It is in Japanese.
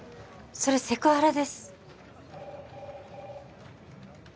それセクハラです